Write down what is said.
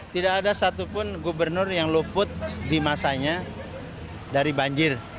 tidak ada satupun gubernur yang luput di masanya dari banjir